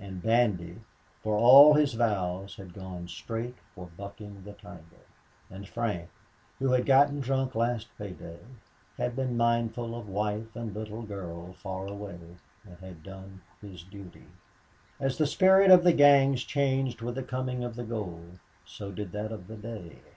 And Bandy, for all his vows, had gone straight for bucking the tiger. And Frank, who had gotten drunk last pay day, had been mindful of wife and little girl far away and had done his duty. As the spirit of the gangs changed with the coming of the gold, so did that of the day.